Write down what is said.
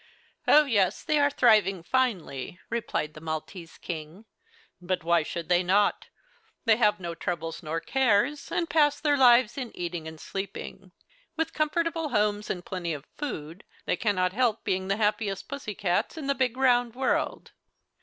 "Oh, yes; they are thriving finely," replied the Maltese King. "But why should they not? They have no troubles nor cares, and pass their lives in eating and sleeping. With comfortable homes and plenty of food they cannot help being the happiest pussycats in the big round world."